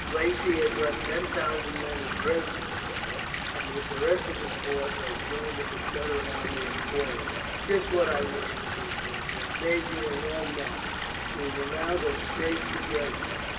"Lacy has left ten thousand men in Dresden, sire, and with the rest of his force has joined the Confederate army at Plauen." "Just what I wished," the king said. "It has saved me a long march, and we will now go straight to Dresden."